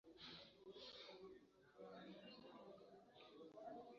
Kurry muri iyi resitora ni nziza.